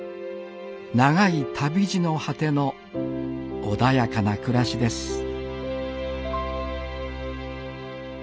長い旅路の果ての穏やかな暮らしです